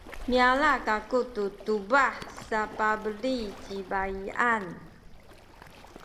miyala kaku tu tubah sapabeli ci baiyan.